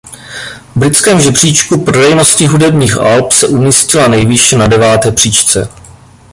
V britském žebříčku prodejnosti hudebních alb se umístila nejvýše na deváté příčce.